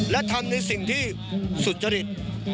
และทำในสิ่งที่สุจริต